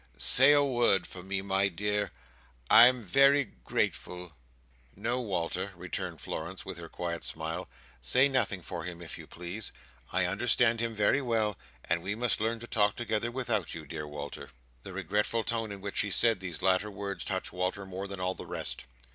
say a word for me, my dear. I'm very grateful." "No, Walter," returned Florence with her quiet smile. "Say nothing for him, if you please. I understand him very well, and we must learn to talk together without you, dear Walter." The regretful tone in which she said these latter words, touched Walter more than all the rest.